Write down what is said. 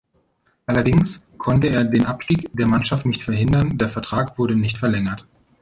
Allerdings konnte er den Abstieg der Mannschaft nicht verhindern, der Vertrag wurde nicht verlängert.